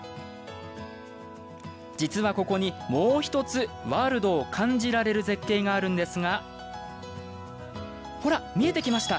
実はここに、もう１つワールドを感じられる絶景があるんですがほら、見えてきました。